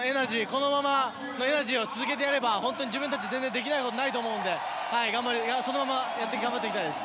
このままのエナジーを続けていけば自分たちでできないことはないと思うのでそのまま頑張りたいです。